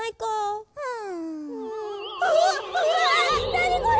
なにこれ！